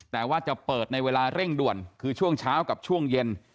แต่ว่าจะเปิดในเวลาเร่งด่วนคือช่วงเช้ากับช่วงเย็น